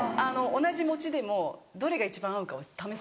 同じ餅でもどれが一番合うかを試すんですよ。